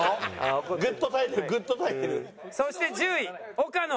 そして１０位岡野。